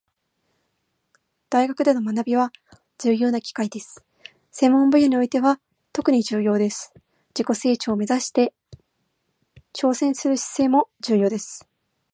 大学での学びは、単なる知識の吸収だけでなく、自分の興味や将来の目標に合ったスキルを身につける重要な機会でもあります。特に専門分野においては、実践的な経験が将来のキャリアに直結することが多いため、授業や課題に真剣に取り組むことが求められます。また、自己成長を目指して新たなチャレンジに挑戦する姿勢も重要です。